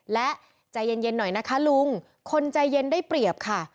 และใจเย็นหน่อยนะคะลุงคนใจเย็นได้เปรียบค่ะ